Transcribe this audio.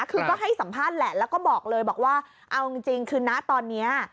คือก็ให้สัมภาษณ์แหละแล้วก็บอกเลยบอกว่าเอาจริงคือนะตอนนี้